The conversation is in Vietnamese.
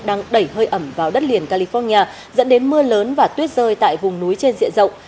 đang đẩy hơi ẩm vào đất liền california dẫn đến mưa lớn và tuyết rơi tại vùng núi trên diện rộng